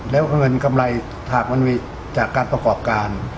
แล้วเงินกำไรหากมันมีจากการประกอบการ